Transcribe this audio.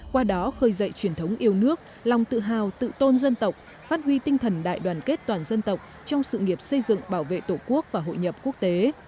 qua đó khơi dậy truyền thống yêu nước lòng tự hào tự tôn dân tộc phát huy tinh thần đại đoàn kết toàn dân tộc trong sự nghiệp xây dựng bảo vệ tổ quốc và hội nhập quốc tế